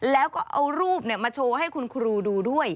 แล้วก็เอารูปมาโชว์ให้คุณครูดูด้วย